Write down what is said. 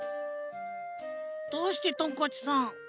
どうしてトンカチさん